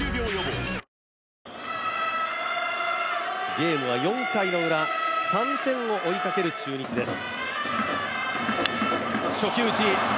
ゲームは４回のウラ３点を追いかける中日です。